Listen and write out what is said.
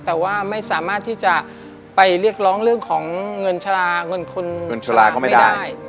แต่ว่าไม่สามารถที่จะไปเรียกร้องเรื่องของเงินชะลาเงินคนเงินชะลาเขาไม่ได้